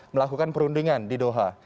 melakukan perundingan di doha